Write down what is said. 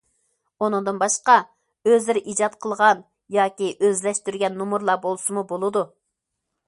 ئۇنىڭدىن باشقا، ئۆزلىرى ئىجاد قىلغان ياكى ئۆزلەشتۈرگەن نومۇرلار بولسىمۇ بولىدۇ.